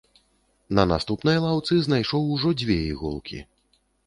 На наступнай лаўцы знайшоў ужо дзве іголкі.